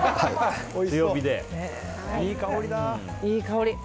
いい香りだ。